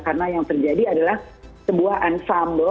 karena yang terjadi adalah sebuah ensemble